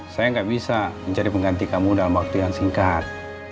saya nggak bisa menjadi pengganti kamu dalam waktu yang singkat